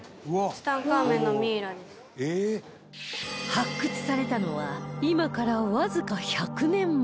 発掘されたのは今からわずか１００年前